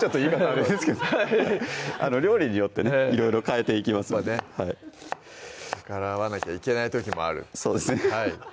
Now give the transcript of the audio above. あれですけど料理によってねいろいろ変えていきますので逆らわなきゃいけない時もあるそうですね